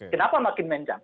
kenapa makin mencang